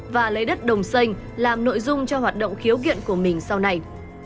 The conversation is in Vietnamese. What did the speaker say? và lấy đất đồng xanh làm nội dung cho hoạt động khiếu kiện của mình sau này